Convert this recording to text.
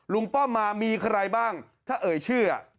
ป้อมมามีใครบ้างถ้าเอ่ยชื่อ